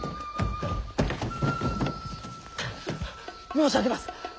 申し上げます。